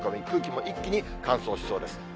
空気も一気に乾燥しそうです。